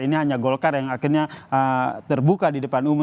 ini hanya golkar yang akhirnya terbuka di depan umum